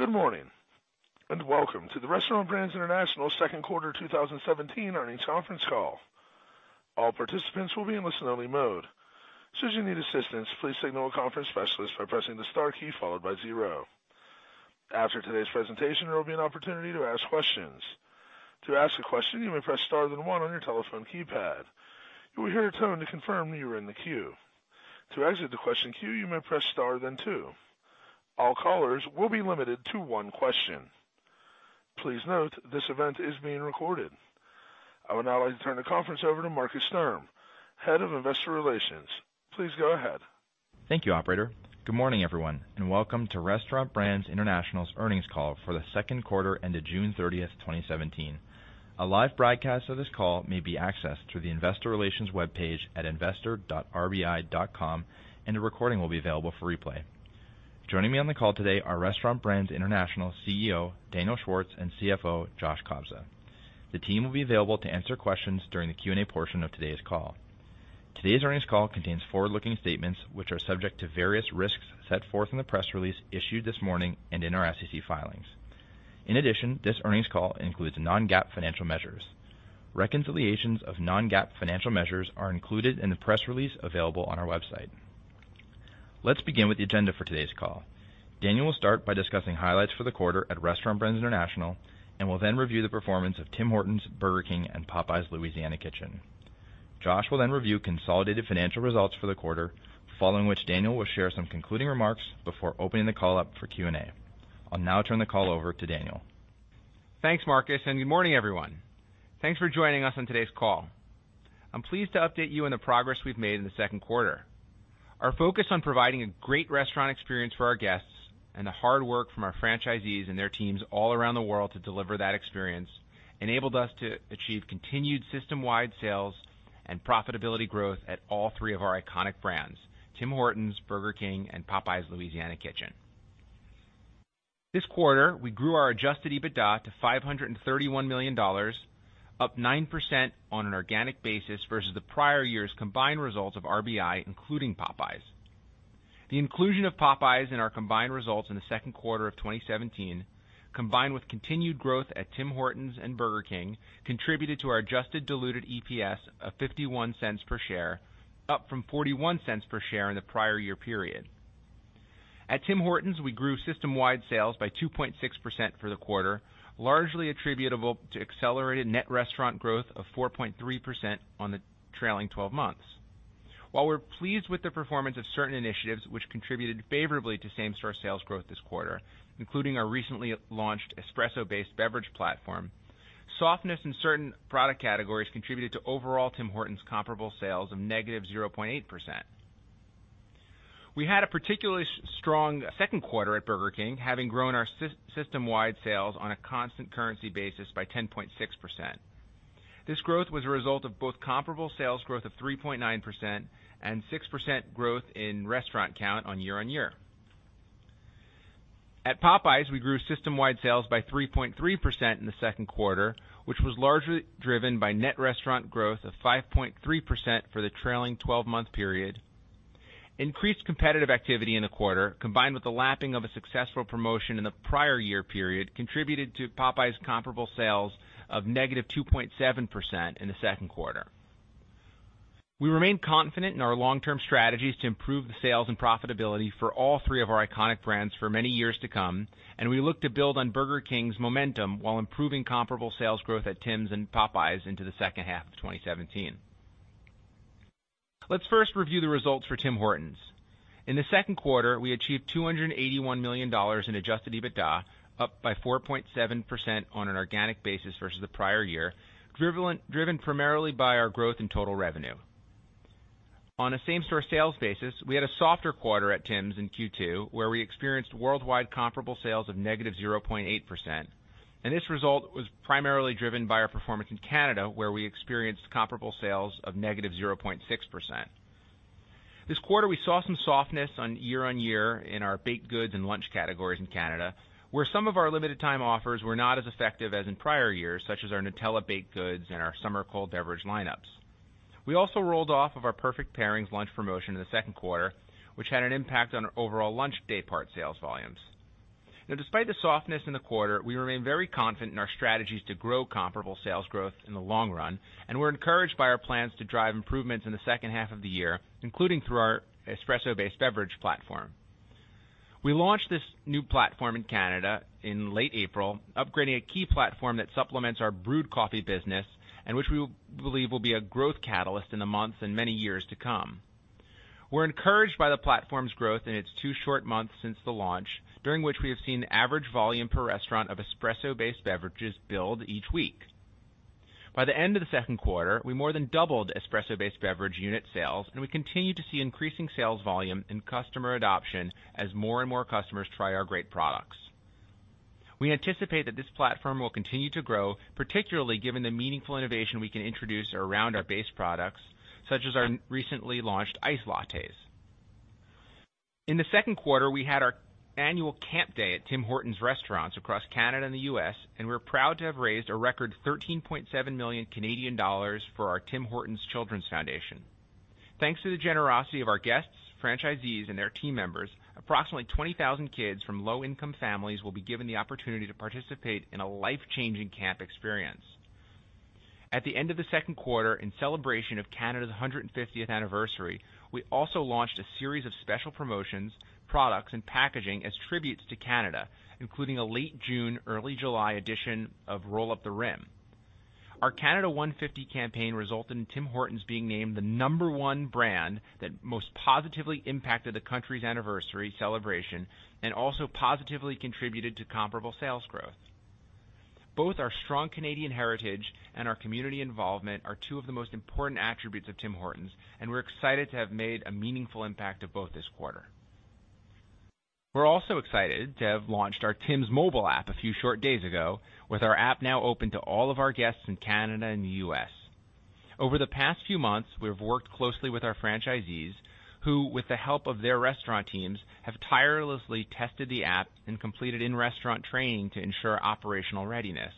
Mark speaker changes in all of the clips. Speaker 1: Good morning, welcome to the Restaurant Brands International second quarter 2017 earnings conference call. All participants will be in listen-only mode. Should you need assistance, please signal a conference specialist by pressing the star key followed by zero. After today's presentation, there will be an opportunity to ask questions. To ask a question, you may press star then one on your telephone keypad. You will hear a tone to confirm you are in the queue. To exit the question queue, you may press star then two. All callers will be limited to one question. Please note this event is being recorded. I would now like to turn the conference over to Markus Sturm, Head of Investor Relations. Please go ahead.
Speaker 2: Thank you, operator. Good morning, everyone, welcome to Restaurant Brands International's earnings call for the second quarter ended June 30th, 2017. A live broadcast of this call may be accessed through the investor relations webpage at investor.rbi.com, and a recording will be available for replay. Joining me on the call today are Restaurant Brands International CEO, Daniel Schwartz, and CFO, Josh Kobza. The team will be available to answer questions during the Q&A portion of today's call. Today's earnings call contains forward-looking statements, which are subject to various risks set forth in the press release issued this morning and in our SEC filings. This earnings call includes non-GAAP financial measures. Reconciliations of non-GAAP financial measures are included in the press release available on our website. Let's begin with the agenda for today's call. Daniel will start by discussing highlights for the quarter at Restaurant Brands International and will then review the performance of Tim Hortons, Burger King, and Popeyes Louisiana Kitchen. Josh will then review consolidated financial results for the quarter, following which Daniel will share some concluding remarks before opening the call up for Q&A. I'll now turn the call over to Daniel.
Speaker 3: Thanks, Markus, good morning, everyone. Thanks for joining us on today's call. I'm pleased to update you on the progress we've made in the second quarter. Our focus on providing a great restaurant experience for our guests and the hard work from our franchisees and their teams all around the world to deliver that experience enabled us to achieve continued system-wide sales and profitability growth at all three of our iconic brands, Tim Hortons, Burger King, and Popeyes Louisiana Kitchen. This quarter, we grew our adjusted EBITDA to $531 million, up 9% on an organic basis versus the prior year's combined results of RBI, including Popeyes. The inclusion of Popeyes in our combined results in the second quarter of 2017, combined with continued growth at Tim Hortons and Burger King, contributed to our adjusted diluted EPS of 0.51 per share, up from 0.41 per share in the prior year period. At Tim Hortons, we grew system-wide sales by 2.6% for the quarter, largely attributable to accelerated net restaurant growth of 4.3% on the trailing 12 months. While we're pleased with the performance of certain initiatives which contributed favorably to same-store sales growth this quarter, including our recently launched espresso-based beverage platform, softness in certain product categories contributed to overall Tim Hortons comparable sales of negative 0.8%. We had a particularly strong second quarter at Burger King, having grown our system-wide sales on a constant currency basis by 10.6%. This growth was a result of both comparable sales growth of 3.9% and 6% growth in restaurant count on year-on-year. At Popeyes, we grew system-wide sales by 3.3% in the second quarter, which was largely driven by net restaurant growth of 5.3% for the trailing 12-month period. Increased competitive activity in the quarter, combined with the lapping of a successful promotion in the prior year period, contributed to Popeyes comparable sales of negative 2.7% in the second quarter. We remain confident in our long-term strategies to improve the sales and profitability for all three of our iconic brands for many years to come, and we look to build on Burger King's momentum while improving comparable sales growth at Tim's and Popeyes into the second half of 2017. Let's first review the results for Tim Hortons. In the second quarter, we achieved 281 million dollars in adjusted EBITDA, up by 4.7% on an organic basis versus the prior year, driven primarily by our growth in total revenue. On a same-store sales basis, we had a softer quarter at Tim's in Q2, where we experienced worldwide comparable sales of negative 0.8%, and this result was primarily driven by our performance in Canada, where we experienced comparable sales of negative 0.6%. This quarter, we saw some softness on year-on-year in our baked goods and lunch categories in Canada, where some of our limited time offers were not as effective as in prior years, such as our Nutella baked goods and our summer cold beverage lineups. We also rolled off of our Perfect Pairings lunch promotion in the second quarter, which had an impact on our overall lunch day part sales volumes. Despite the softness in the quarter, we remain very confident in our strategies to grow comparable sales growth in the long run, and we're encouraged by our plans to drive improvements in the second half of the year, including through our espresso-based beverage platform. We launched this new platform in Canada in late April, upgrading a key platform that supplements our brewed coffee business and which we believe will be a growth catalyst in the months and many years to come. We're encouraged by the platform's growth in its two short months since the launch, during which we have seen average volume per restaurant of espresso-based beverages build each week. By the end of the second quarter, we more than doubled espresso-based beverage unit sales, and we continue to see increasing sales volume and customer adoption as more and more customers try our great products. We anticipate that this platform will continue to grow, particularly given the meaningful innovation we can introduce around our base products, such as our recently launched iced lattes. In the second quarter, we had our annual Camp Day at Tim Hortons restaurants across Canada and the U.S., and we're proud to have raised a record 13.7 million Canadian dollars for our Tim Hortons Children's Foundation. Thanks to the generosity of our guests, franchisees, and their team members, approximately 20,000 kids from low-income families will be given the opportunity to participate in a life-changing camp experience. At the end of the second quarter, in celebration of Canada's 150th anniversary, we also launched a series of special promotions, products, and packaging as tributes to Canada, including a late June, early July edition of Roll Up the Rim. Our Canada 150 campaign resulted in Tim Hortons being named the number one brand that most positively impacted the country's anniversary celebration, and also positively contributed to comparable sales growth. Both our strong Canadian heritage and our community involvement are two of the most important attributes of Tim Hortons, and we're excited to have made a meaningful impact of both this quarter. We're also excited to have launched our Tim's mobile app a few short days ago, with our app now open to all of our guests in Canada and the U.S. Over the past few months, we've worked closely with our franchisees, who, with the help of their restaurant teams, have tirelessly tested the app and completed in-restaurant training to ensure operational readiness.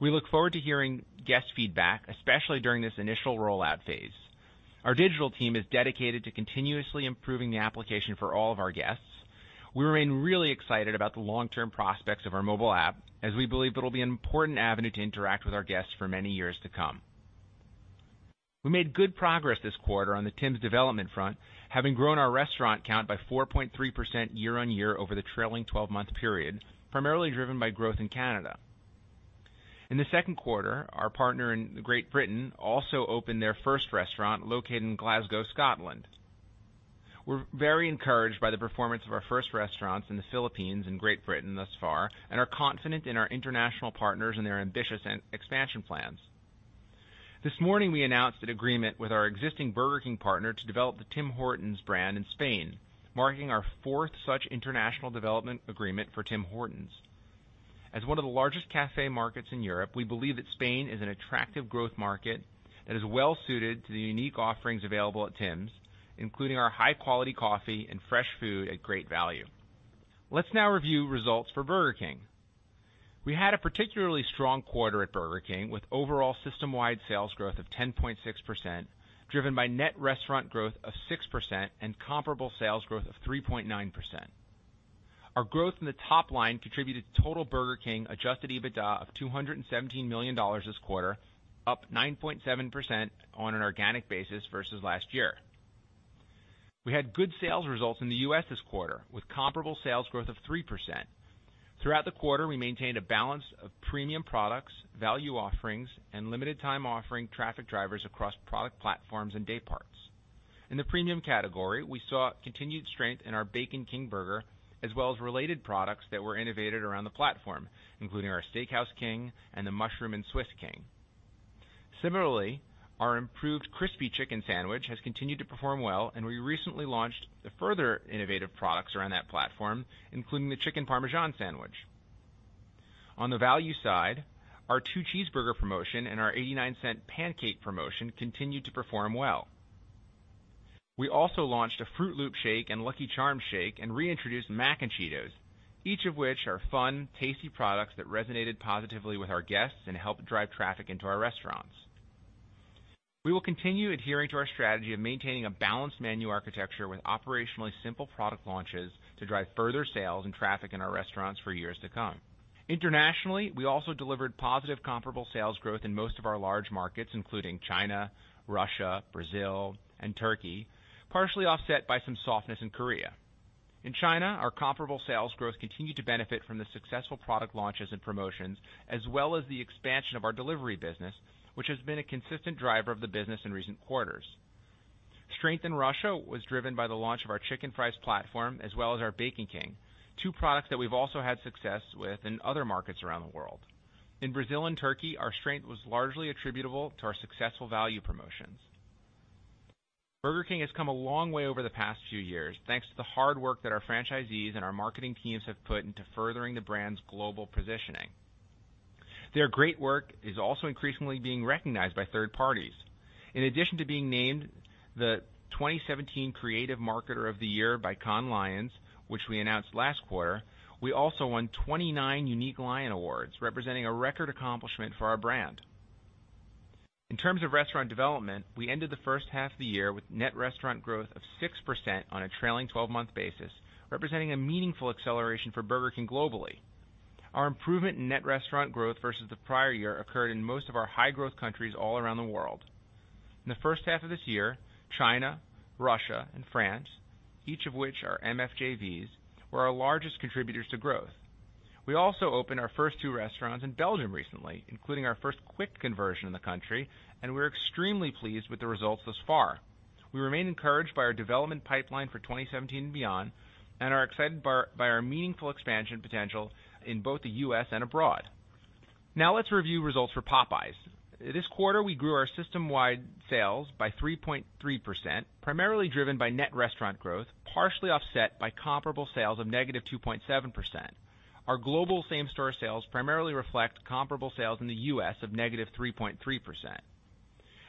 Speaker 3: We look forward to hearing guest feedback, especially during this initial rollout phase. Our digital team is dedicated to continuously improving the application for all of our guests. We remain really excited about the long-term prospects of our mobile app, as we believe it'll be an important avenue to interact with our guests for many years to come. We made good progress this quarter on the Tim's development front, having grown our restaurant count by 4.3% year-on-year over the trailing 12-month period, primarily driven by growth in Canada. In the second quarter, our partner in Great Britain also opened their first restaurant, located in Glasgow, Scotland. We're very encouraged by the performance of our first restaurants in the Philippines and Great Britain thus far, and are confident in our international partners and their ambitious expansion plans. This morning, we announced an agreement with our existing Burger King partner to develop the Tim Hortons brand in Spain, marking our fourth such international development agreement for Tim Hortons. As one of the largest cafe markets in Europe, we believe that Spain is an attractive growth market that is well suited to the unique offerings available at Tim's, including our high-quality coffee and fresh food at great value. Let's now review results for Burger King. We had a particularly strong quarter at Burger King, with overall system-wide sales growth of 10.6%, driven by net restaurant growth of 6% and comparable sales growth of 3.9%. Our growth in the top line contributed to total Burger King adjusted EBITDA of $217 million this quarter, up 9.7% on an organic basis versus last year. We had good sales results in the U.S. this quarter, with comparable sales growth of 3%. Throughout the quarter, we maintained a balance of premium products, value offerings, and limited time offering traffic drivers across product platforms and day parts. In the premium category, we saw continued strength in our Bacon King burger, as well as related products that were innovated around the platform, including our Steakhouse King and the Mushroom and Swiss King. Similarly, our improved Crispy Chicken Sandwich has continued to perform well, and we recently launched the further innovative products around that platform, including the Chicken Parmesan sandwich. On the value side, our two cheeseburger promotion and our 0.89 pancake promotion continued to perform well. We also launched a Froot Loops Shake and Lucky Charms Shake and reintroduced Mac n' Cheetos, each of which are fun, tasty products that resonated positively with our guests and helped drive traffic into our restaurants. We will continue adhering to our strategy of maintaining a balanced menu architecture with operationally simple product launches to drive further sales and traffic in our restaurants for years to come. Internationally, we also delivered positive comparable sales growth in most of our large markets, including China, Russia, Brazil, and Turkey, partially offset by some softness in Korea. In China, our comparable sales growth continued to benefit from the successful product launches and promotions, as well as the expansion of our delivery business, which has been a consistent driver of the business in recent quarters. Strength in Russia was driven by the launch of our Chicken Fries platform, as well as our Bacon King, two products that we've also had success with in other markets around the world. In Brazil and Turkey, our strength was largely attributable to our successful value promotions. Burger King has come a long way over the past few years, thanks to the hard work that our franchisees and our marketing teams have put into furthering the brand's global positioning. Their great work is also increasingly being recognized by third parties. In addition to being named the 2017 Creative Marketer of the Year by Cannes Lions, which we announced last quarter, we also won 29 unique Lion Awards, representing a record accomplishment for our brand. In terms of restaurant development, we ended the first half of the year with net restaurant growth of 6% on a trailing 12-month basis, representing a meaningful acceleration for Burger King globally. Our improvement in net restaurant growth versus the prior year occurred in most of our high-growth countries all around the world. In the first half of this year, China, Russia, and France, each of which are MFJVs, were our largest contributors to growth. We also opened our first two restaurants in Belgium recently, including our first quick conversion in the country, and we're extremely pleased with the results thus far. We remain encouraged by our development pipeline for 2017 and beyond, and are excited by our meaningful expansion potential in both the U.S. and abroad. Now let's review results for Popeyes. This quarter, we grew our system-wide sales by 3.3%, primarily driven by net restaurant growth, partially offset by comparable sales of -2.7%. Our global same-store sales primarily reflect comparable sales in the U.S. of -3.3%.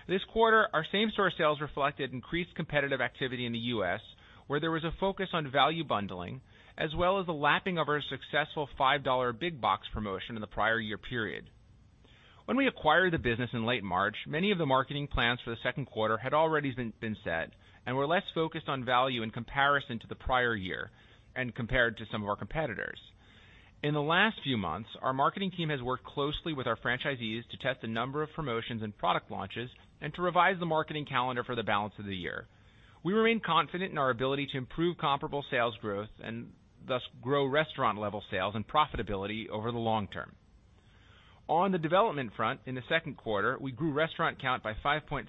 Speaker 3: This quarter, our same-store sales reflected increased competitive activity in the U.S., where there was a focus on value bundling, as well as the lapping of our successful $5 big box promotion in the prior year period. When we acquired the business in late March, many of the marketing plans for the second quarter had already been set and were less focused on value in comparison to the prior year and compared to some of our competitors. In the last few months, our marketing team has worked closely with our franchisees to test a number of promotions and product launches and to revise the marketing calendar for the balance of the year. We remain confident in our ability to improve comparable sales growth and thus grow restaurant-level sales and profitability over the long term. On the development front, in the second quarter, we grew restaurant count by 5.3%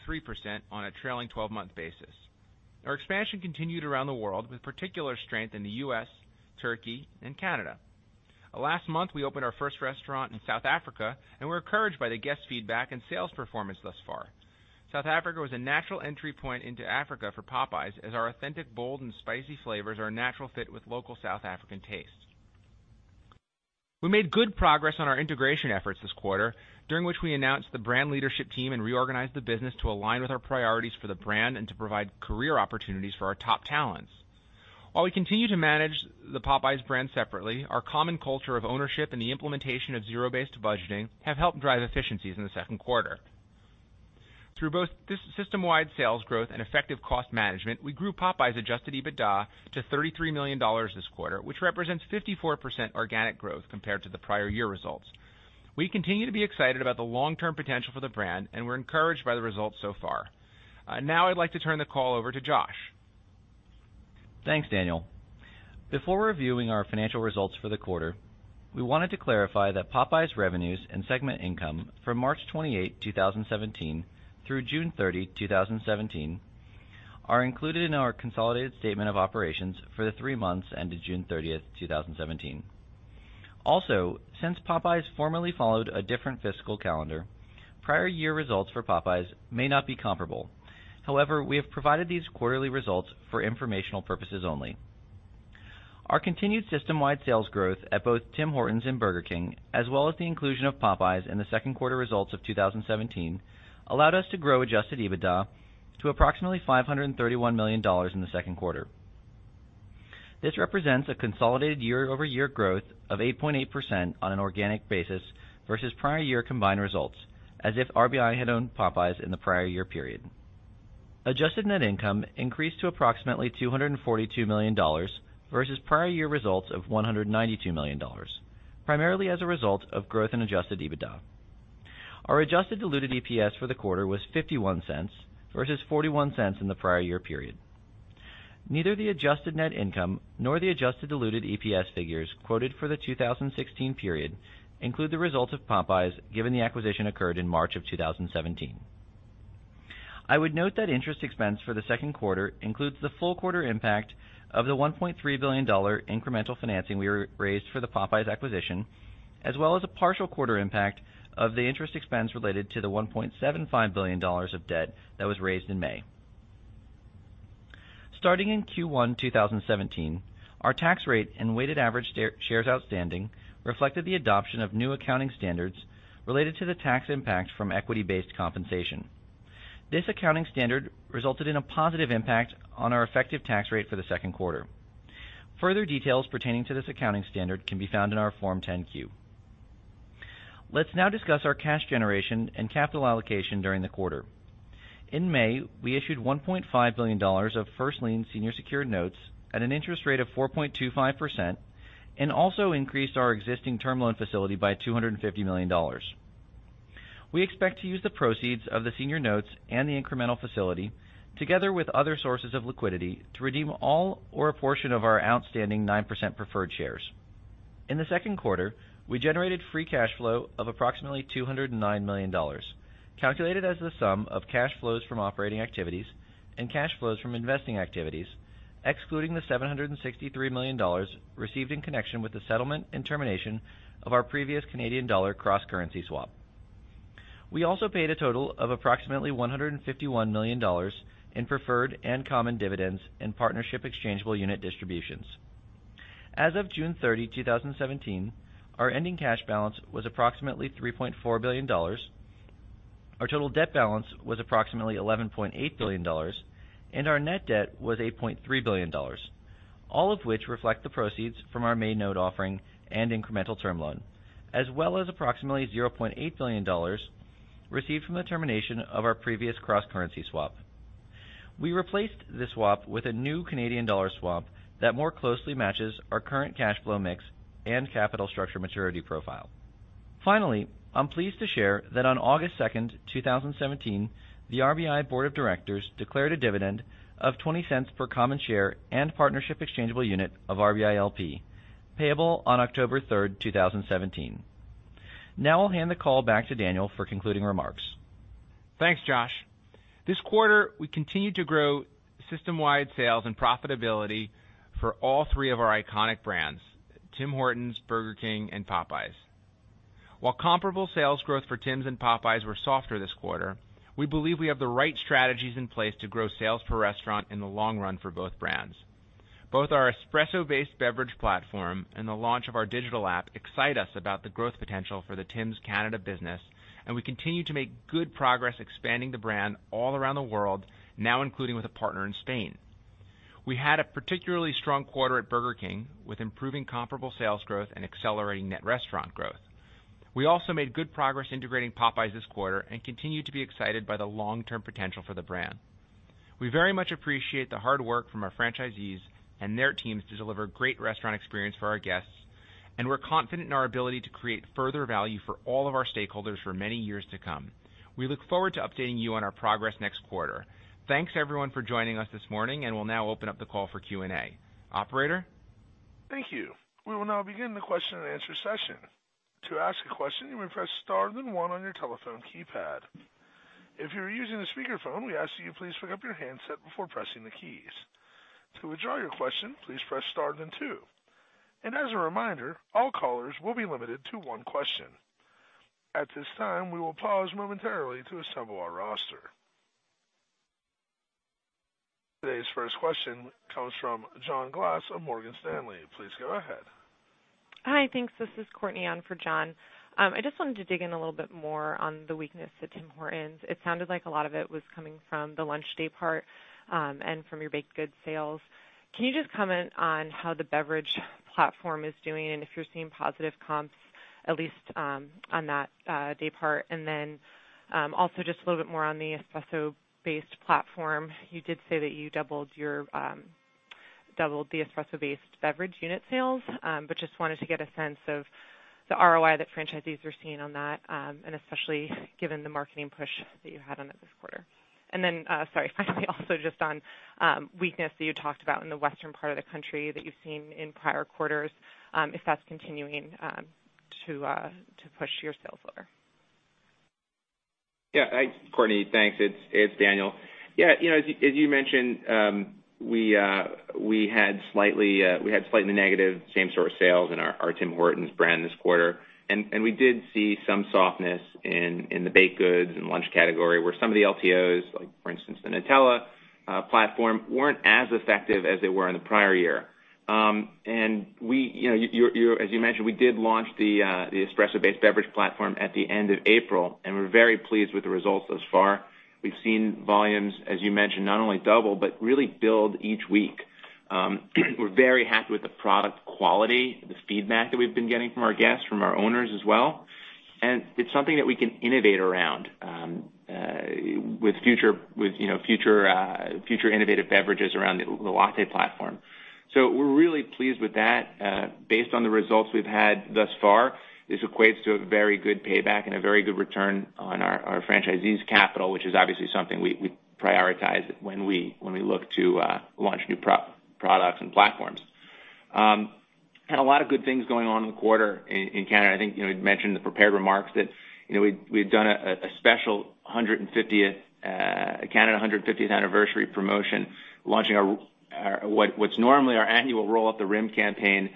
Speaker 3: on a trailing 12-month basis. Our expansion continued around the world, with particular strength in the U.S., Turkey, and Canada. Last month, we opened our first restaurant in South Africa, and we're encouraged by the guest feedback and sales performance thus far. South Africa was a natural entry point into Africa for Popeyes as our authentic, bold, and spicy flavors are a natural fit with local South African tastes. We made good progress on our integration efforts this quarter, during which we announced the brand leadership team and reorganized the business to align with our priorities for the brand and to provide career opportunities for our top talents. While we continue to manage the Popeyes brand separately, our common culture of ownership and the implementation of zero-based budgeting have helped drive efficiencies in the second quarter. Through both this system-wide sales growth and effective cost management, we grew Popeyes adjusted EBITDA to $33 million this quarter, which represents 54% organic growth compared to the prior year results. We continue to be excited about the long-term potential for the brand, and we're encouraged by the results so far. Now I'd like to turn the call over to Josh.
Speaker 4: Thanks, Daniel. Before reviewing our financial results for the quarter, we wanted to clarify that Popeyes revenues and segment income from March 28, 2017, through June 30, 2017, are included in our consolidated statement of operations for the three months ended June 30, 2017. Also, since Popeyes formerly followed a different fiscal calendar, prior year results for Popeyes may not be comparable. However, we have provided these quarterly results for informational purposes only. Our continued system-wide sales growth at both Tim Hortons and Burger King, as well as the inclusion of Popeyes in the second quarter results of 2017, allowed us to grow adjusted EBITDA to approximately $531 million in the second quarter. This represents a consolidated year-over-year growth of 8.8% on an organic basis versus prior year combined results as if RBI had owned Popeyes in the prior year period. Adjusted net income increased to approximately $242 million versus prior year results of $192 million, primarily as a result of growth in adjusted EBITDA. Our adjusted diluted EPS for the quarter was $0.51 versus $0.41 in the prior year period. Neither the adjusted net income nor the adjusted diluted EPS figures quoted for the 2016 period include the results of Popeyes, given the acquisition occurred in March of 2017. I would note that interest expense for the second quarter includes the full quarter impact of the $1.3 billion incremental financing we raised for the Popeyes acquisition, as well as a partial quarter impact of the interest expense related to the $1.75 billion of debt that was raised in May. Starting in Q1 2017, our tax rate and weighted average shares outstanding reflected the adoption of new accounting standards related to the tax impact from equity-based compensation. This accounting standard resulted in a positive impact on our effective tax rate for the second quarter. Further details pertaining to this accounting standard can be found in our Form 10-Q. Let's now discuss our cash generation and capital allocation during the quarter. In May, we issued $1.5 billion of first-lien senior secured notes at an interest rate of 4.25% and also increased our existing term loan facility by $250 million. We expect to use the proceeds of the senior notes and the incremental facility, together with other sources of liquidity, to redeem all or a portion of our outstanding 9% preferred shares. In the second quarter, we generated free cash flow of approximately $209 million, calculated as the sum of cash flows from operating activities and cash flows from investing activities, excluding the $763 million received in connection with the settlement and termination of our previous Canadian dollar cross-currency swap. We also paid a total of approximately $151 million in preferred and common dividends and partnership exchangeable unit distributions. As of June 30, 2017, our ending cash balance was approximately $3.4 billion, our total debt balance was approximately $11.8 billion, and our net debt was $8.3 billion, all of which reflect the proceeds from our main note offering and incremental term loan, as well as approximately $0.8 billion received from the termination of our previous cross-currency swap. We replaced the swap with a new Canadian dollar swap that more closely matches our current cash flow mix and capital structure maturity profile. Finally, I'm pleased to share that on August 2nd, 2017, the RBI Board of Directors declared a dividend of $0.20 per common share and partnership exchangeable unit of RBI LP, payable on October 3rd, 2017. Now I'll hand the call back to Daniel for concluding remarks.
Speaker 3: Thanks, Josh. This quarter, we continued to grow system-wide sales and profitability for all three of our iconic brands, Tim Hortons, Burger King, and Popeyes. While comparable sales growth for Tim's and Popeyes were softer this quarter, we believe we have the right strategies in place to grow sales per restaurant in the long run for both brands. Both our espresso-based beverage platform and the launch of our digital app excite us about the growth potential for the Tim's Canada business, and we continue to make good progress expanding the brand all around the world, now including with a partner in Spain. We had a particularly strong quarter at Burger King, with improving comparable sales growth and accelerating net restaurant growth. We also made good progress integrating Popeyes this quarter, and continue to be excited by the long-term potential for the brand. We very much appreciate the hard work from our franchisees and their teams to deliver great restaurant experience for our guests, we're confident in our ability to create further value for all of our stakeholders for many years to come. We look forward to updating you on our progress next quarter. Thanks, everyone, for joining us this morning, we'll now open up the call for Q&A. Operator?
Speaker 1: Thank you. We will now begin the question and answer session. To ask a question, you may press star, then one on your telephone keypad. If you are using a speakerphone, we ask that you please pick up your handset before pressing the keys. To withdraw your question, please press star, then two. As a reminder, all callers will be limited to one question. At this time, we will pause momentarily to assemble our roster. Today's first question comes from John Glass of Morgan Stanley. Please go ahead.
Speaker 5: Hi. Thanks. This is Courtney on for John. I just wanted to dig in a little bit more on the weakness at Tim Hortons. It sounded like a lot of it was coming from the lunch day part, and from your baked goods sales. Can you just comment on how the beverage platform is doing, and if you're seeing positive comps, at least on that day part? Also just a little bit more on the espresso-based platform. You did say that you doubled the espresso-based beverage unit sales, but just wanted to get a sense of the ROI that franchisees are seeing on that, and especially given the marketing push that you had on it this quarter. Sorry, finally, also just on weakness that you talked about in the western part of the country that you've seen in prior quarters, if that's continuing to push your sales lower.
Speaker 3: Courtney, thanks. It's Daniel. As you mentioned, we had slightly negative same-store sales in our Tim Hortons brand this quarter, and we did see some softness in the baked goods and lunch category, where some of the LTOs, like for instance, the Nutella platform, weren't as effective as they were in the prior year. As you mentioned, we did launch the espresso-based beverage platform at the end of April, and we're very pleased with the results thus far. We've seen volumes, as you mentioned, not only double, but really build each week. We're very happy with the product quality, the feedback that we've been getting from our guests, from our owners as well, and it's something that we can innovate around with future innovative beverages around the latte platform. We're really pleased with that. Based on the results we've had thus far, this equates to a very good payback and a very good return on our franchisees' capital, which is obviously something we prioritize when we look to launch new products and platforms. Had a lot of good things going on in the quarter in Canada. I think we'd mentioned in the prepared remarks that we'd done a special Canada 150th anniversary promotion, launching what's normally our annual Roll Up The Rim campaign,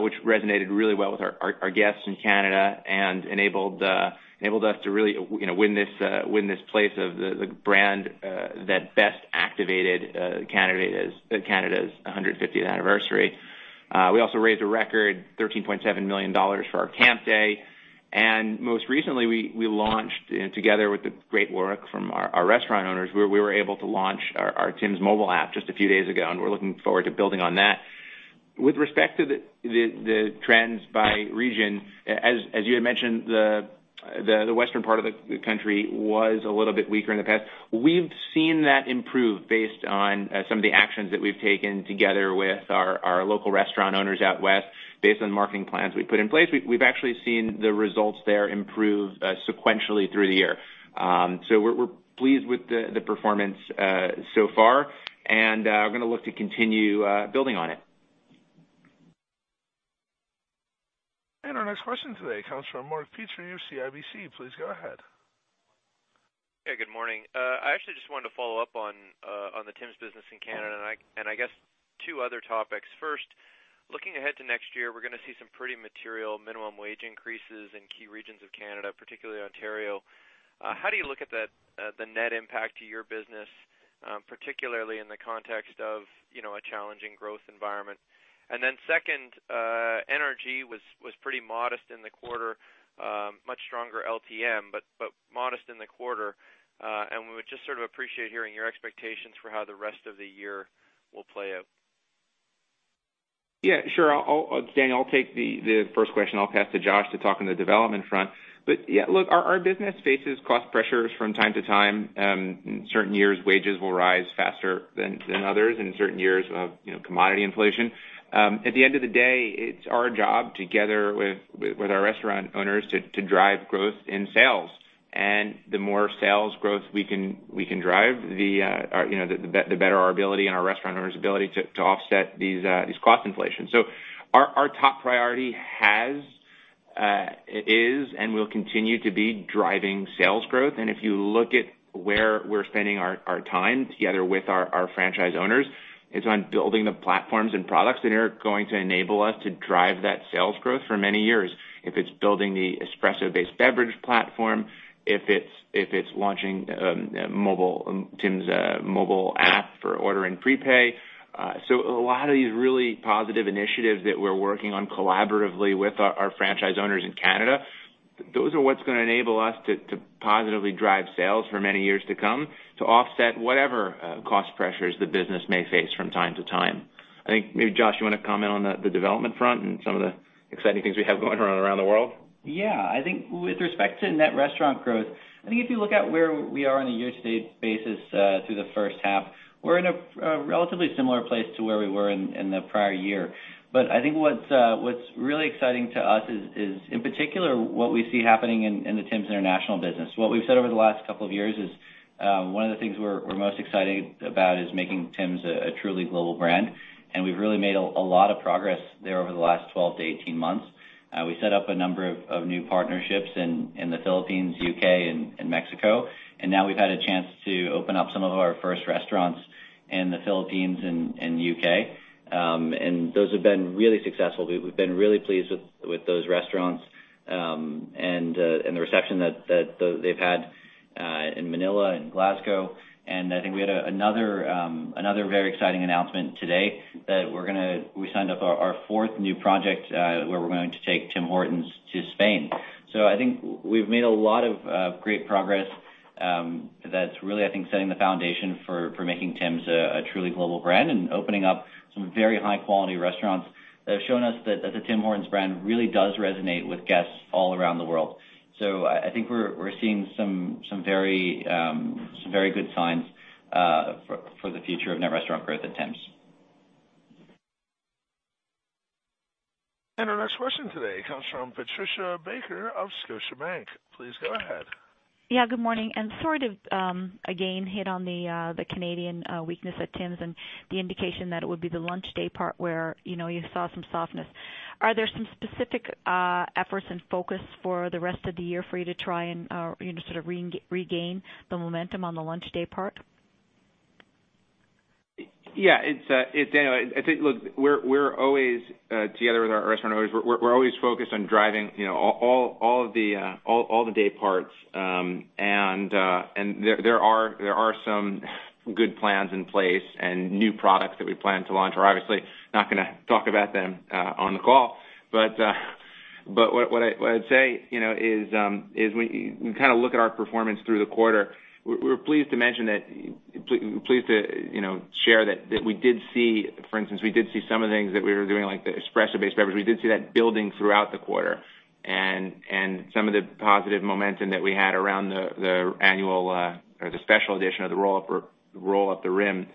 Speaker 3: which resonated really well with our guests in Canada and enabled us to really win this place of the brand that best activated Canada's 150th anniversary. We also raised a record 13.7 million dollars for our Camp Day. Most recently, we launched, together with the great work from our restaurant owners, we were able to launch our Tim's mobile app just a few days ago, and we're looking forward to building on that. With respect to the trends by region, as you had mentioned, the western part of the country was a little bit weaker in the past. We've seen that improve based on some of the actions that we've taken together with our local restaurant owners out West, based on marketing plans we put in place. We've actually seen the results there improve sequentially through the year. We're pleased with the performance so far and are going to look to continue building on it.
Speaker 1: Our next question today comes from Mark Petrie of CIBC. Please go ahead.
Speaker 6: Yeah, good morning. I actually just wanted to follow up on the Tim's business in Canada, and I guess two other topics. First, looking ahead to next year, we're going to see some pretty material minimum wage increases in key regions of Canada, particularly Ontario. How do you look at the net impact to your business, particularly in the context of a challenging growth environment? Second, NRG was pretty modest in the quarter, much stronger LTM, but modest in the quarter. We would just sort of appreciate hearing your expectations for how the rest of the year will play out.
Speaker 3: Yeah, sure. Daniel, I'll take the first question. I'll pass to Josh to talk on the development front. But yeah, look, our business faces cost pressures from time to time. In certain years, wages will rise faster than others, and in certain years of commodity inflation. At the end of the day, it's our job together with our restaurant owners to drive growth in sales, the more sales growth we can drive, the better our ability and our restaurant owners' ability to offset these cost inflations. Our top priority has, is, and will continue to be driving sales growth, if you look at where we're spending our time together with our franchise owners, it's on building the platforms and products that are going to enable us to drive that sales growth for many years, if it's building the espresso-based beverage platform, if it's launching Tim's mobile app for order and prepay. A lot of these really positive initiatives that we're working on collaboratively with our franchise owners in Canada. Those are what's going to enable us to positively drive sales for many years to come to offset whatever cost pressures the business may face from time to time. I think maybe, Josh, you want to comment on the development front and some of the exciting things we have going around the world?
Speaker 4: Yeah, I think with respect to net restaurant growth, I think if you look at where we are on a year-to-date basis through the first half, we're in a relatively similar place to where we were in the prior year. I think what's really exciting to us is, in particular, what we see happening in the Tim's international business. What we've said over the last couple of years is, one of the things we're most excited about is making Tim's a truly global brand, and we've really made a lot of progress there over the last 12 to 18 months. We set up a number of new partnerships in the Philippines, U.K., and Mexico, and now we've had a chance to open up some of our first restaurants in the Philippines and U.K. Those have been really successful. We've been really pleased with those restaurants and the reception that they've had in Manila and Glasgow. I think we had another very exciting announcement today that we signed up our fourth new project, where we're going to take Tim Hortons to Spain. I think we've made a lot of great progress that's really, I think, setting the foundation for making Tim's a truly global brand and opening up some very high-quality restaurants that have shown us that the Tim Hortons brand really does resonate with guests all around the world. I think we're seeing some very good signs for the future of net restaurant growth at Tim's.
Speaker 1: Our next question today comes from Patricia Baker of Scotiabank. Please go ahead.
Speaker 7: Yeah, good morning and sort of, again, hit on the Canadian weakness at Tim's and the indication that it would be the lunch day part where you saw some softness. Are there some specific efforts and focus for the rest of the year for you to try and sort of regain the momentum on the lunch day part?
Speaker 3: Yeah. I think, look, we're always together with our restaurant owners. We're always focused on driving all the day parts. There are some good plans in place and new products that we plan to launch. We're obviously not going to talk about them on the call. What I'd say is when you kind of look at our performance through the quarter, we're pleased to share that we did see, for instance, some of the things that we were doing, like the espresso-based beverage, we did see that building throughout the quarter. Some of the positive momentum that we had around the annual or the special edition of the Roll Up The Rim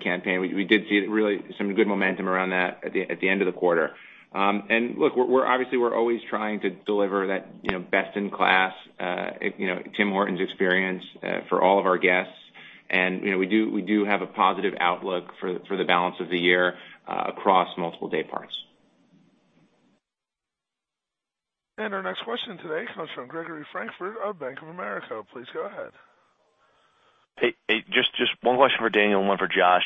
Speaker 3: campaign, we did see really some good momentum around that at the end of the quarter. Look, obviously, we're always trying to deliver that best-in-class Tim Hortons experience for all of our guests, and we do have a positive outlook for the balance of the year across multiple day parts.
Speaker 1: Our next question today comes from Gregory Francfort of Bank of America. Please go ahead.
Speaker 8: Hey. Just one question for Daniel and one for Josh.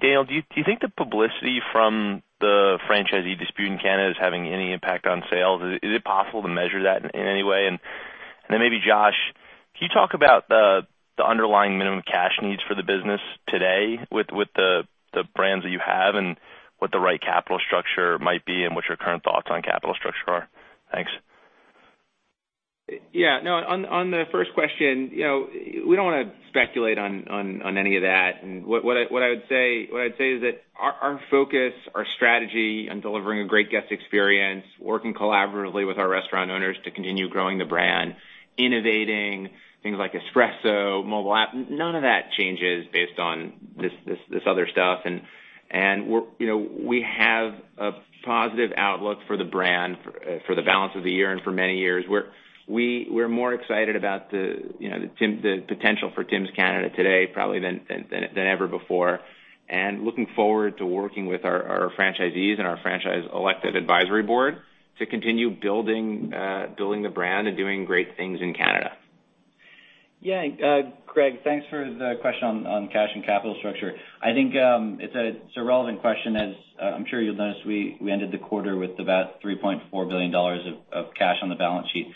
Speaker 8: Daniel, do you think the publicity from the franchisee dispute in Canada is having any impact on sales? Is it possible to measure that in any way? Then maybe Josh, can you talk about the underlying minimum cash needs for the business today with the brands that you have and what the right capital structure might be and what your current thoughts on capital structure are? Thanks.
Speaker 3: Yeah. No, on the first question, we don't want to speculate on any of that. What I would say is that our focus, our strategy on delivering a great guest experience, working collaboratively with our restaurant owners to continue growing the brand, innovating things like espresso, mobile app, none of that changes based on this other stuff. We have a positive outlook for the brand for the balance of the year and for many years. We're more excited about the potential for Tim's Canada today probably than ever before. Looking forward to working with our franchisees and our franchise elected advisory board to continue building the brand and doing great things in Canada.
Speaker 4: Yeah, Greg, thanks for the question on cash and capital structure. I think it's a relevant question, as I'm sure you'll notice, we ended the quarter with about 3.4 billion dollars of cash on the balance sheet.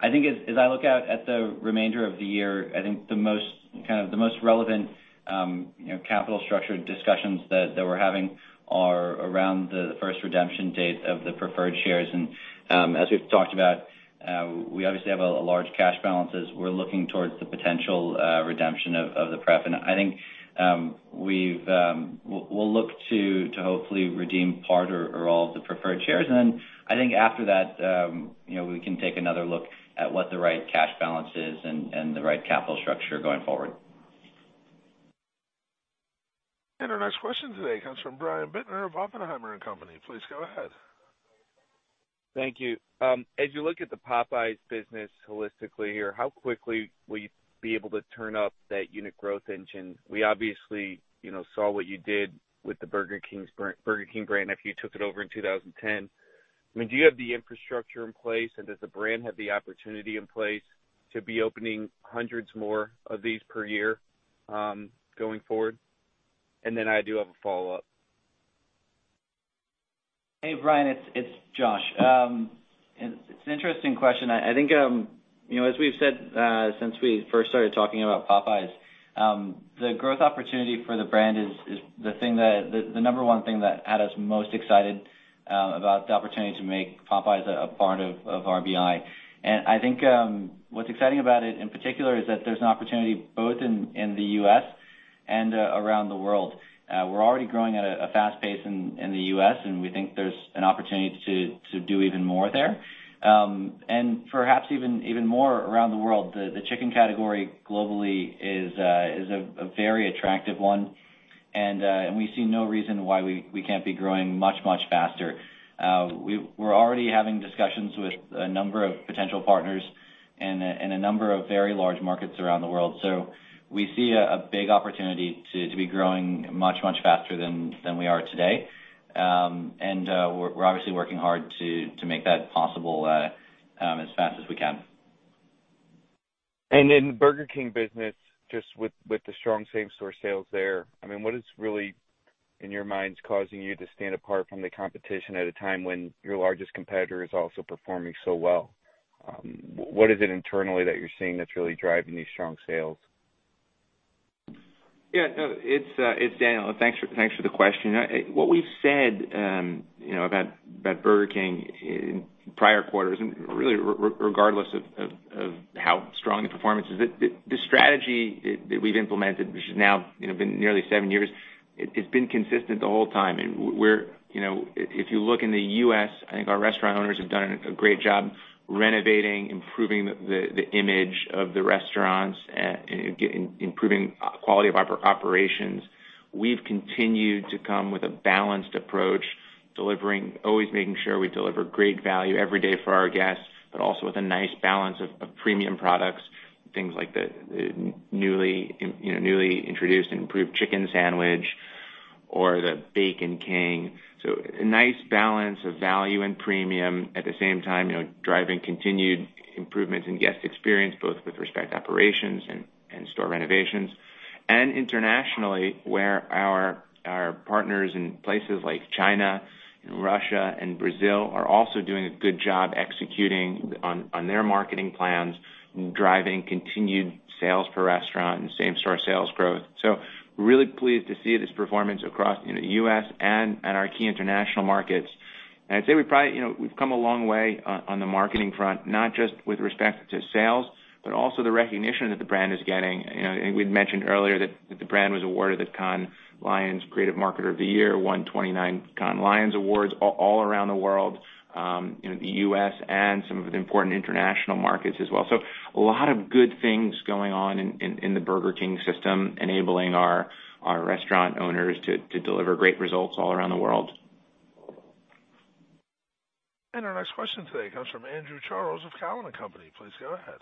Speaker 4: I think as I look out at the remainder of the year, I think the most relevant capital structure discussions that we're having are around the first redemption date of the preferred shares. As we've talked about, we obviously have a large cash balance as we're looking towards the potential redemption of the pref. I think we'll look to hopefully redeem part or all of the preferred shares. Then I think after that we can take another look at what the right cash balance is and the right capital structure going forward.
Speaker 1: Our next question today comes from Brian Bittner of Oppenheimer and Company. Please go ahead.
Speaker 9: Thank you. As you look at the Popeyes business holistically here, how quickly will you be able to turn up that unit growth engine? We obviously saw what you did with the Burger King brand after you took it over in 2010. I mean, do you have the infrastructure in place, and does the brand have the opportunity in place to be opening hundreds more of these per year going forward? Then I do have a follow-up.
Speaker 4: Hey, Brian, it's Josh. It's an interesting question. I think as we've said since we first started talking about Popeyes, the growth opportunity for the brand is the number one thing that had us most excited about the opportunity to make Popeyes a part of RBI. I think what's exciting about it, in particular, is that there's an opportunity both in the U.S. and around the world. We're already growing at a fast pace in the U.S., and we think there's an opportunity to do even more there, and perhaps even more around the world. The chicken category globally is a very attractive one. We see no reason why we can't be growing much faster. We're already having discussions with a number of potential partners in a number of very large markets around the world. We see a big opportunity to be growing much faster than we are today. We're obviously working hard to make that possible as fast as we can.
Speaker 9: In the Burger King business, just with the strong same store sales there, what is really, in your minds, causing you to stand apart from the competition at a time when your largest competitor is also performing so well? What is it internally that you're seeing that's really driving these strong sales?
Speaker 3: Yeah, no. It's Daniel. Thanks for the question. What we've said about Burger King in prior quarters, and really regardless of how strong the performance is, the strategy that we've implemented, which has now been nearly seven years, it's been consistent the whole time. If you look in the U.S., I think our restaurant owners have done a great job renovating, improving the image of the restaurants, improving quality of operations. We've continued to come with a balanced approach, always making sure we deliver great value every day for our guests, but also with a nice balance of premium products, things like the newly introduced and improved Crispy Chicken Sandwich or the Bacon King. A nice balance of value and premium, at the same time, driving continued improvements in guest experience, both with respect to operations and store renovations. Internationally, where our partners in places like China and Russia and Brazil are also doing a good job executing on their marketing plans, driving continued sales per restaurant and same store sales growth. Really pleased to see this performance across the U.S. and our key international markets. I'd say we have come a long way on the marketing front, not just with respect to sales, but also the recognition that the brand is getting. We had mentioned earlier that the brand was awarded the Cannes Lions Creative Marketer of the Year, won 29 Cannes Lions awards all around the world, the U.S. and some of the important international markets as well. A lot of good things going on in the Burger King system, enabling our restaurant owners to deliver great results all around the world.
Speaker 1: Our next question today comes from Andrew Charles of Cowen and Company. Please go ahead.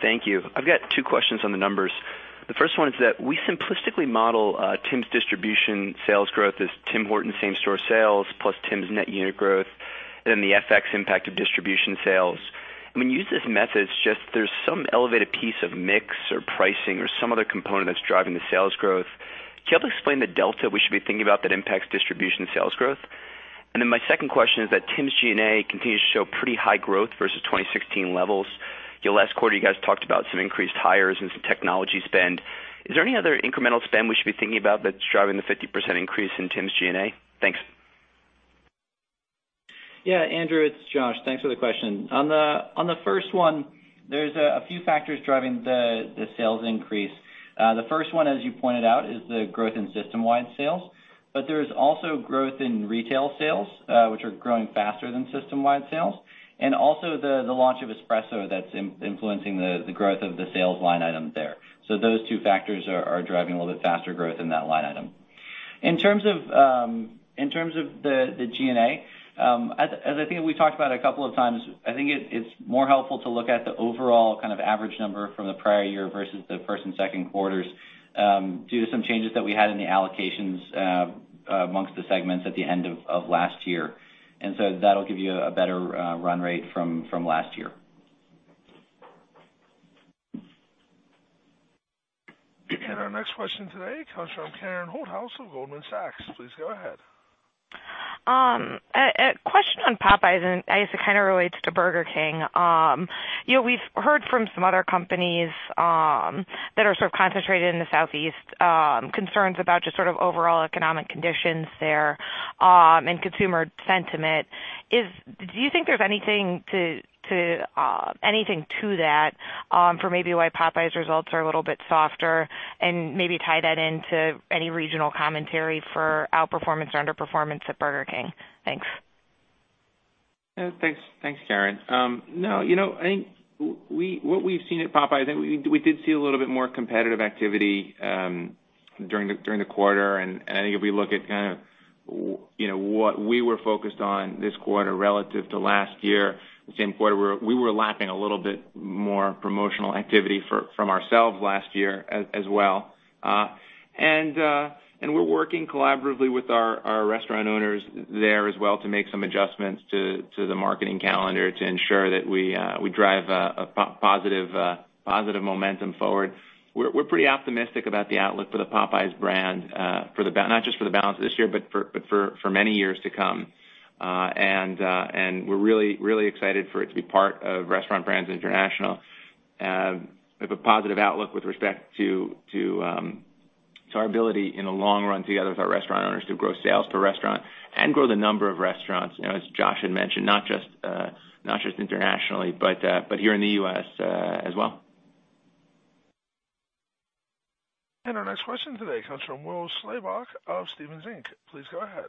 Speaker 10: Thank you. I've got two questions on the numbers. The first one is that we simplistically model Tim Hortons distribution sales growth as Tim Hortons same store sales plus Tim's net unit growth, then the FX impact of distribution sales. When you use this method, it is just there is some elevated piece of mix or pricing or some other component that is driving the sales growth. Can you help explain the delta we should be thinking about that impacts distribution sales growth? My second question is that Tim's G&A continues to show pretty high growth versus 2016 levels. Last quarter, you guys talked about some increased hires and some technology spend. Is there any other incremental spend we should be thinking about that is driving the 50% increase in Tim's G&A? Thanks.
Speaker 4: Yeah, Andrew, it's Josh. Thanks for the question. On the first one, there is a few factors driving the sales increase. The first one, as you pointed out, is the growth in system-wide sales, but there is also growth in retail sales, which are growing faster than system-wide sales, and also the launch of espresso that is influencing the growth of the sales line item there. Those two factors are driving a little bit faster growth in that line item. In terms of the G&A, as I think we talked about a couple of times, I think it is more helpful to look at the overall average number from the prior year versus the first and second quarters due to some changes that we had in the allocations amongst the segments at the end of last year. That will give you a better run rate from last year.
Speaker 1: Our next question today comes from Karen Holthouse of Goldman Sachs. Please go ahead.
Speaker 11: A question on Popeyes, and I guess it kind of relates to Burger King. We've heard from some other companies that are sort of concentrated in the Southeast, concerns about just sort of overall economic conditions there and consumer sentiment. Do you think there's anything to that for maybe why Popeyes results are a little bit softer, and maybe tie that into any regional commentary for outperformance or underperformance at Burger King? Thanks.
Speaker 3: Thanks, Karen. No, I think what we've seen at Popeyes, I think we did see a little bit more competitive activity during the quarter, and I think if we look at what we were focused on this quarter relative to last year, the same quarter, we were lapping a little bit more promotional activity from ourselves last year as well. We're working collaboratively with our restaurant owners there as well to make some adjustments to the marketing calendar to ensure that we drive a positive momentum forward. We're pretty optimistic about the outlook for the Popeyes brand not just for the balance of this year, but for many years to come. We're really excited for it to be part of Restaurant Brands International. We have a positive outlook with respect to our ability in the long run together with our restaurant owners to grow sales per restaurant and grow the number of restaurants, as Josh had mentioned, not just internationally, but here in the U.S. as well.
Speaker 1: Our next question today comes from Will Slabaugh of Stephens Inc. Please go ahead.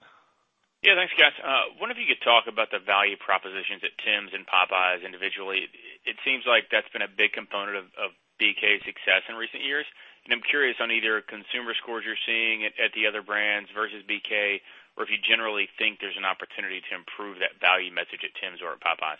Speaker 12: Yeah, thanks guys. Wonder if you could talk about the value propositions at Tim's and Popeyes individually. It seems like that's been a big component of BK success in recent years, and I'm curious on either consumer scores you're seeing at the other brands versus BK, or if you generally think there's an opportunity to improve that value message at Tim's or at Popeyes.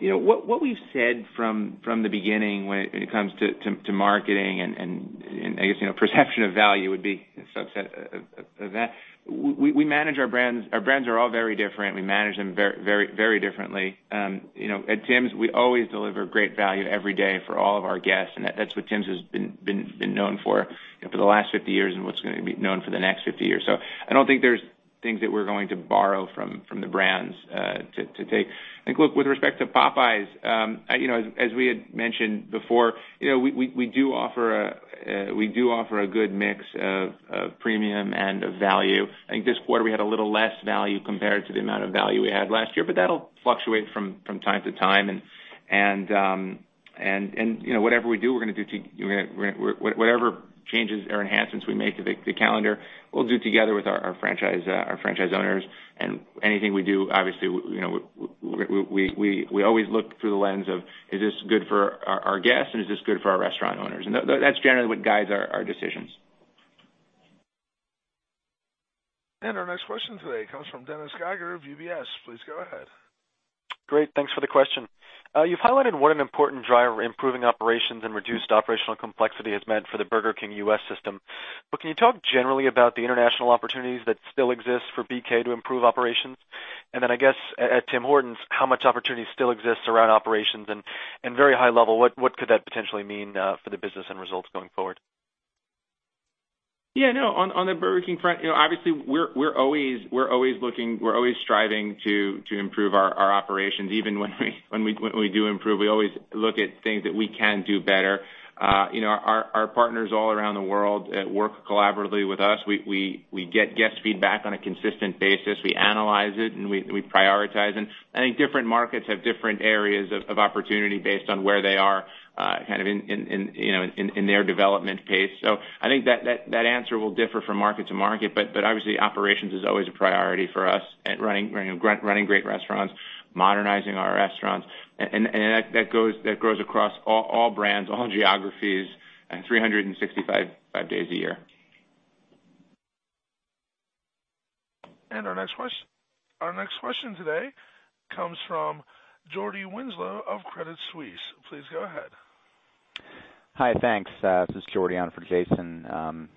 Speaker 3: Yeah. What we've said from the beginning when it comes to marketing and I guess perception of value would be a subset of that. Our brands are all very different. We manage them very differently. At Tim's, we always deliver great value every day for all of our guests, and that's what Tim's has been known for the last 50 years and what's going to be known for the next 50 years. I don't think there's things that we're going to borrow from the brands to take. I think, look, with respect to Popeyes, as we had mentioned before, we do offer a good mix of premium and of value. I think this quarter we had a little less value compared to the amount of value we had last year, that'll fluctuate from time to time and whatever changes or enhancements we make to the calendar, we'll do together with our franchise owners. Anything we do, obviously, we always look through the lens of is this good for our guests and is this good for our restaurant owners? That's generally what guides our decisions.
Speaker 1: Our next question today comes from Dennis Geiger of UBS. Please go ahead.
Speaker 13: Great. Thanks for the question. You've highlighted what an important driver improving operations and reduced operational complexity has meant for the Burger King U.S. system, can you talk generally about the international opportunities that still exist for BK to improve operations? I guess at Tim Hortons, how much opportunity still exists around operations and, very high level, what could that potentially mean for the business and results going forward?
Speaker 3: Yeah. On the Burger King front, obviously we're always striving to improve our operations. Even when we do improve, we always look at things that we can do better. Our partners all around the world work collaboratively with us. We get guest feedback on a consistent basis. We analyze it, and we prioritize and I think different markets have different areas of opportunity based on where they are in their development pace. I think that answer will differ from market to market, but obviously operations is always a priority for us at running great restaurants, modernizing our restaurants. That grows across all brands, all geographies at 365 days a year.
Speaker 1: Our next question today comes from Jordy Winslow of Credit Suisse. Please go ahead.
Speaker 14: Hi. Thanks. This is Jordy on for Jason.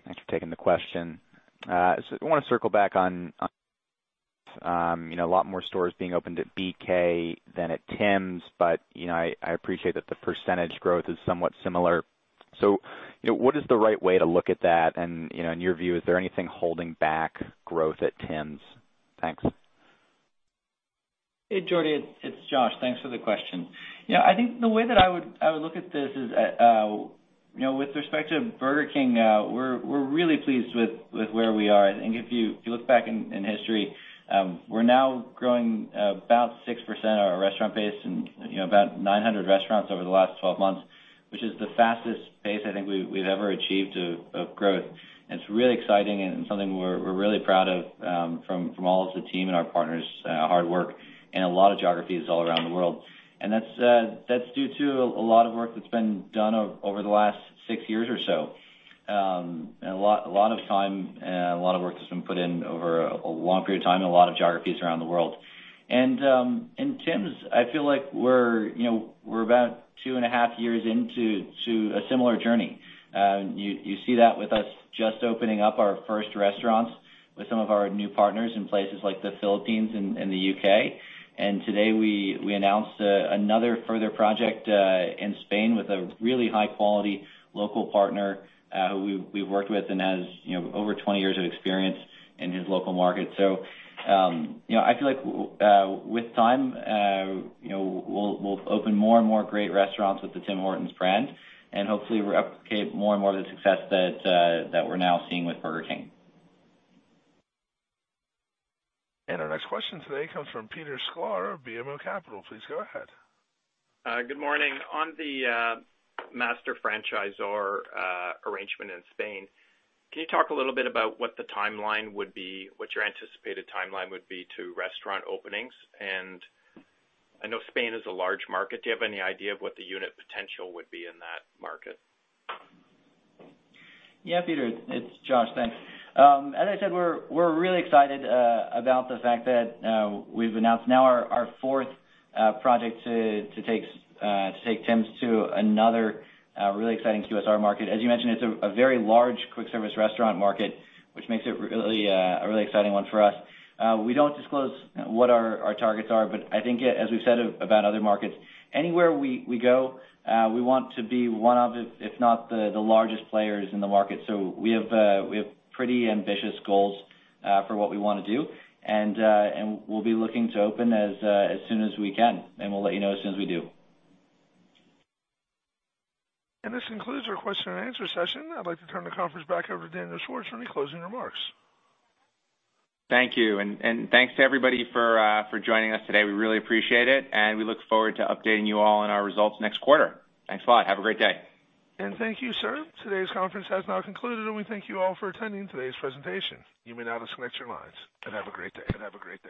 Speaker 14: Thanks for taking the question. I want to circle back on a lot more stores being opened at BK than at Tim's, but I appreciate that the percentage growth is somewhat similar. What is the right way to look at that? In your view, is there anything holding back growth at Tim's? Thanks.
Speaker 4: Hey, Jordy, it's Josh. Thanks for the question. I think the way that I would look at this is with respect to Burger King, we're really pleased with where we are. I think if you look back in history, we're now growing about 6% of our restaurant base and about 900 restaurants over the last 12 months, which is the fastest pace I think we've ever achieved of growth. It's really exciting and something we're really proud of from all of the team and our partners' hard work in a lot of geographies all around the world. That's due to a lot of work that's been done over the last six years or so. A lot of time and a lot of work that's been put in over a long period of time in a lot of geographies around the world. Tim's, I feel like we're about two and a half years into a similar journey. You see that with us just opening up our first restaurants with some of our new partners in places like the Philippines and the U.K. Today we announced another further project in Spain with a really high-quality local partner who we've worked with and has over 20 years of experience in his local market. I feel like with time we'll open more and more great restaurants with the Tim Hortons brand and hopefully replicate more and more of the success that we're now seeing with Burger King.
Speaker 1: Our next question today comes from Peter Sklar of BMO Capital. Please go ahead.
Speaker 15: Good morning. On the master franchisor arrangement in Spain, can you talk a little bit about what your anticipated timeline would be to restaurant openings? I know Spain is a large market. Do you have any idea of what the unit potential would be in that market?
Speaker 4: Yeah, Peter, it's Josh. Thanks. As I said, we're really excited about the fact that we've announced now our fourth project to take Tim's to another really exciting QSR market. As you mentioned, it's a very large quick service restaurant market, which makes it a really exciting one for us. We don't disclose what our targets are, but I think as we've said about other markets, anywhere we go, we want to be one of, if not the largest players in the market. We have pretty ambitious goals for what we want to do, and we'll be looking to open as soon as we can, and we'll let you know as soon as we do.
Speaker 1: This concludes our question and answer session. I'd like to turn the conference back over to Daniel Schwartz for any closing remarks.
Speaker 3: Thank you, and thanks to everybody for joining us today. We really appreciate it, and we look forward to updating you all on our results next quarter. Thanks a lot. Have a great day.
Speaker 1: Thank you, sir. Today's conference has now concluded, and we thank you all for attending today's presentation. You may now disconnect your lines and have a great day.